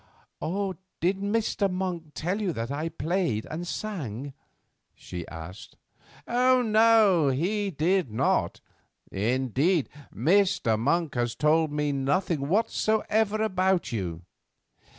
"Did Mr. Monk tell you that I played and sang?" she asked. "No, he did not. Indeed, Mr. Monk has told me nothing whatsoever about you.